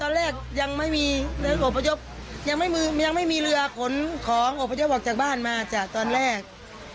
ตอนลำบากตอนที่เรือตอนแรกยังไม่มีเรือขนของอพยพบอกจากบ้านมาจ้ะตอนแรก